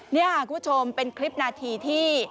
นี่ค่ะคุณผู้ชมเป็นคลิปนาทีที่